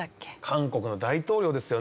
韓国の大統領ですよね。